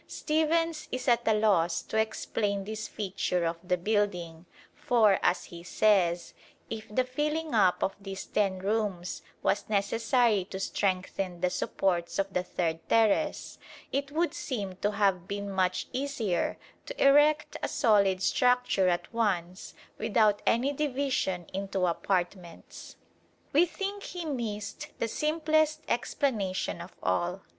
Stephens is at a loss to explain this feature of the building, for, as he says, if the filling up of these ten rooms was necessary to strengthen the supports of the third terrace, "it would seem to have been much easier to erect a solid structure at once, without any division into apartments." We think he missed the simplest explanation of all.